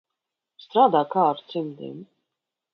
Strādā kā ar cimdiem.